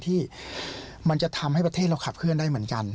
ที่มันจะทำให้ประเทศเราขับเคลื่อนได้เหมือนกัน